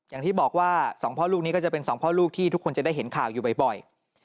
อย่างที่บอกว่าสองพ่อลูกนี้ก็จะเป็นสองพ่อลูกที่ทุกคนจะได้เห็นข่าวอยู่บ่อย